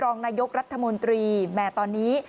รองนายกรัฐมนตรีแหม่ตอนนี้